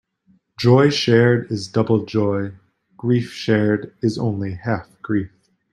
Joy shared is double joy; grief shared is only half grief.